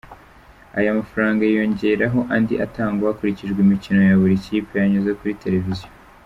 Aya mafaranga yiyongeraho andi atangwa hakurikijwe imikino ya buri kipe yanyuze kuri televiziyo.